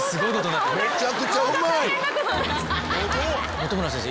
本村先生